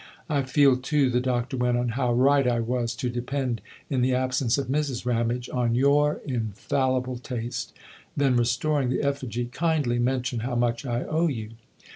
I feel too," the Doctor went on, " how right I was to depend, in the absence of Mrs. Ramage, on your infallible taste." Then restoring the effigy :" Kindly mention how much I owe you."